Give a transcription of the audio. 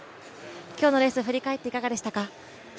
今日のレースを振り返っていかがでしたか？